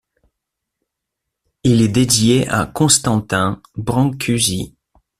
Il est dédié à Constantin Brancusi.